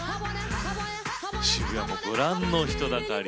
渋谷も、ご覧の人だかり。